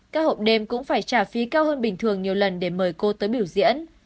các hộp đêm cũng phải trả phí cao hơn bình thường nhiều lần để mời cô tới biểu diễn